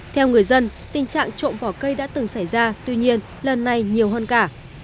theo người dân tình trạng trộm vỏ cây đã từng xảy ra tuy nhiên lần này nhiều hơn cả